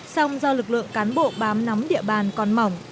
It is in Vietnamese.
song do lực lượng cán bộ bám nắm địa bàn còn mỏng